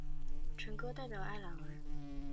科克城则代表北爱尔兰。